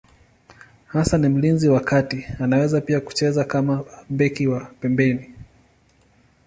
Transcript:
Hasa ni mlinzi wa kati, anaweza pia kucheza kama beki wa pembeni.